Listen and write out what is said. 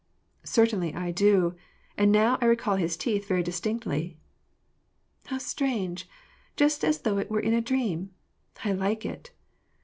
" "Certainly I do ! And now I recall his teeth very distinctly." " How strange ! Just as though it were in a dream ! I like it